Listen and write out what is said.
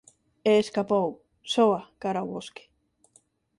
E escapou, soa, cara ó bosque.